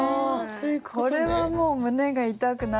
これはもう胸が痛くなるわね。